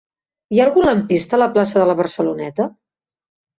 Hi ha algun lampista a la plaça de la Barceloneta?